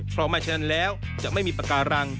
เพราะไม่ฉะนั้นแล้วจะไม่มีปากการัง